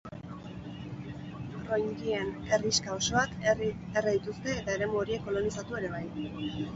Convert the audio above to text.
Rohingyen herriska osoak erre dituzte eta eremu horiek kolonizatu ere bai.